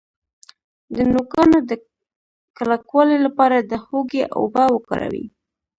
د نوکانو د کلکوالي لپاره د هوږې اوبه وکاروئ